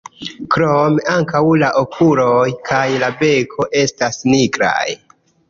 Krome ankaŭ la okuloj kaj la beko estas nigraj.